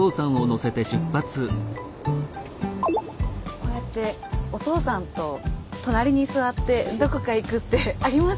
こうやってお父さんと隣に座ってどこかへ行くってあります？